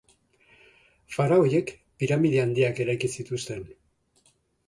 Faraoiek piramide handiak eraiki zituzten.